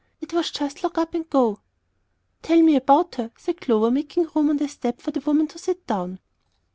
It was just lock up and go!" "Tell me about her," said Clover, making room on the step for the woman to sit down.